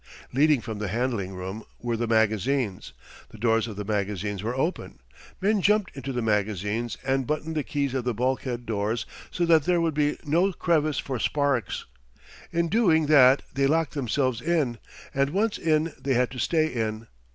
Leading from the handling room were the magazines. The doors of the magazines were open. Men jumped into the magazines and buttoned the keys of the bulkhead doors so that there would be no crevice for sparks. In doing that they locked themselves in; and once in they had to stay in.